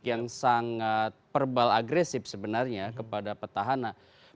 yang sangat verbal agresif sebenarnya kepada petahana